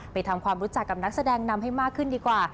ทำความรู้จักกับนักแสดงนำให้มากขึ้นดีกว่า